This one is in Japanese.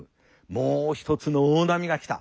もう一つの大波が来た。